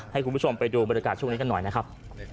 ให้คุณผู้ชมไปดูบรรยากาศช่วงนี้กันหน่อยนะครับ